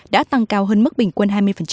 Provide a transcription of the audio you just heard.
đã tăng cao hơn mức bình quân hai mươi